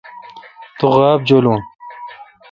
تو غابہ جولون۔